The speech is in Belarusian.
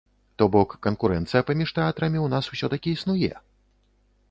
То бок, канкурэнцыя паміж тэатрамі ў нас усё-такі існуе?